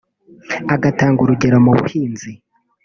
agatanga urugero mu buhinzi